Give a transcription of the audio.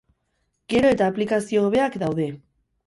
Gero eta aplikazio hobeak daude.